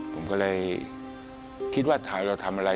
ผมก็เลยคิดว่าทางเราทำอะไร